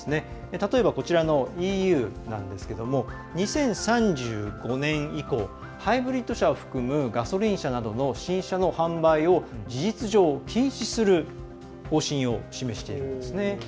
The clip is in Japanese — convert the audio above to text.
例えば、こちらのＥＵなんですが２０３５年以降ハイブリッド車を含むガソリン車などの新車の販売を事実上禁止する方針を示していますね。